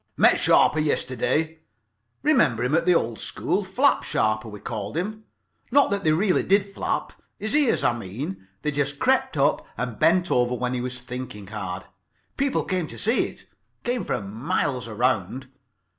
"Met Sharper yesterday. Remember him at the old school? Flap Sharper we called him. Not that they really did flap. His ears, I mean. They just crept up and bent over when he was thinking hard. People came to see it. Came from miles around.